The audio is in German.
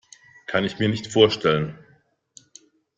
Kann ich mir nicht vorstellen.